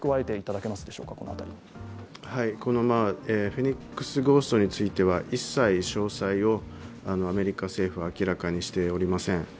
フェニックスゴーストについては一切、詳細をアメリカ政府は明らかにしておりません。